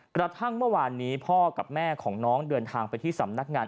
กระทั่งเมื่อวานนี้พ่อกับแม่ของน้องเดินทางไปที่สำนักงาน